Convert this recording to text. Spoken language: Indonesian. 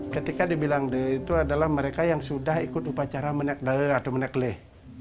ketika dibilang dahe itu adalah mereka yang sudah ikut upacara menekleh